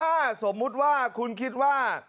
ถ้าสมมุติว่าคุณคิดว่า